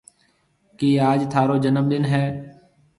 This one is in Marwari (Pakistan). ڪِي آج ٿارو جنم ڏن هيَ؟